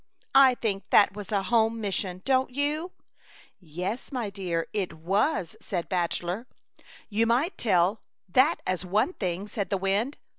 I think that was a home mission, don't you ?"" Yes, my dear, it was," said Bach elor. *'You might tell that as one thing," said the wind.